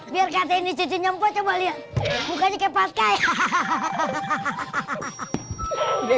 biar katain di cucuknya mpok coba liat bukannya kayak pasca ya